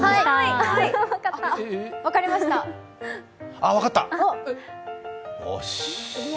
あっ、分かった！